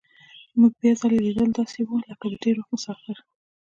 زموږ بیا ځلي لیدل داسې وو لکه د ډېر وخت مسافر.